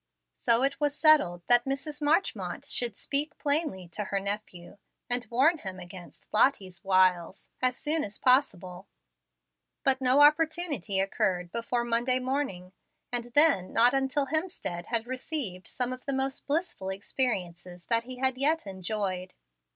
So it was settled that Mrs. Marchmont should "speak plainly" to her nephew, and warn him against "Lottie's wiles," as soon as possible. But no opportunity occurred before Monday morning, and then not until Hemstead had received some of the most blissful experiences that he had yet enjoyed.